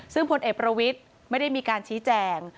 ซึ่งพลเอกประวิทย์ไม่ได้มีการชี้แจง